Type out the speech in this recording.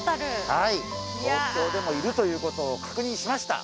東京でもいるということを確認しました。